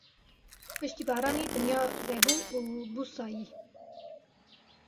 Piştî baranê dinya vebû û bû sayî.